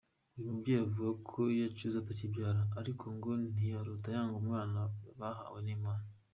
Uyu mubyeyi avuga ko yacuze atakibyara, ariko ngo ntiyarota yanga umwana bahawe n’Imana.